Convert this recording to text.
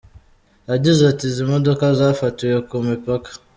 Yagize ati “Izi modoka zafatiwe ku mipaka.